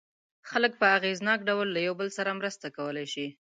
خلک په اغېزناک ډول له یو بل سره مرسته کولای شي.